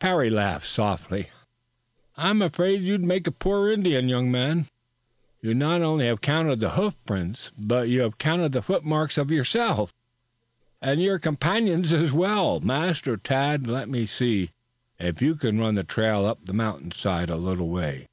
Parry laughed softly. "I'm afraid you'd make a poor Indian, young man. You not only have counted the hoof prints, but you have counted the foot marks of yourself and your companions as well. Master Tad, let me see if you can run the trail up the mountain side a little way.